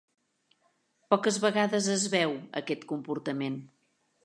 Poques vegades es veu aquest comportament.